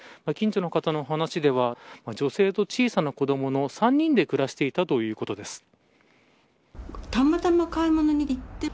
近所の方の話では女性と小さな子どもの３人で暮らしていたということです。